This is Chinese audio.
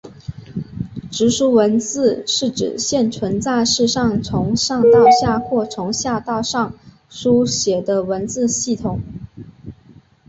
直书文字是指现存在世上从上到下或从下到上书写的文字系统。